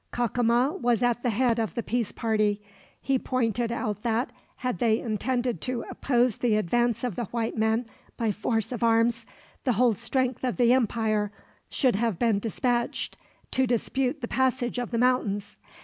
Cacama was at the head of the peace party. He pointed out that, had they intended to oppose the advance of the white men by force of arms, the whole strength of the empire should have been dispatched to dispute the passage of the mountains.